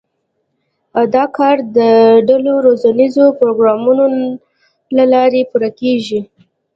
دا کار د ډلو روزنیزو پروګرامونو له لارې پوره کېږي.